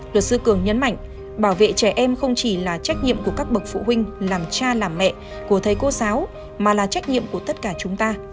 luật sư cường nhấn mạnh bảo vệ trẻ em không chỉ là trách nhiệm của các bậc phụ huynh làm cha làm mẹ của thầy cô giáo mà là trách nhiệm của tất cả chúng ta